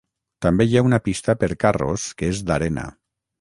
També hi ha una pista per carros que és d'arena.